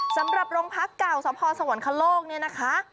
สำหรับโรงพักเก่าสพสวรรคโลกเนี่ยนะคะ